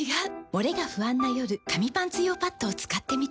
モレが不安な夜紙パンツ用パッドを使ってみた。